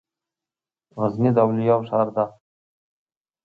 غزني د اولياوو ښار ده